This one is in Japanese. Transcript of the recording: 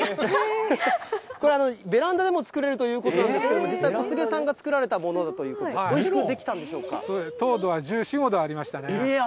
これ、ベランダでも作れるということなんですけれども、実は小菅さんが作られたものだということでして、おいしく出来た糖度は１４、５度ありました